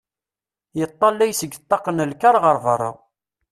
Yeṭṭalay seg ṭṭaq n lkar ɣer berra.